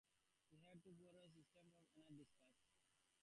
He had no prior symptoms of any disease.